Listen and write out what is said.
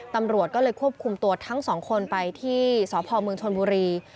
ตำรวจก็ควบคุมตรวจทั้งสองคนไปที่สขมชนพุรี